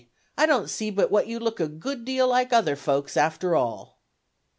I don't see but what you look a good deal like other folks, after all."